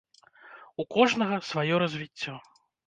У кожнага сваё развіццё.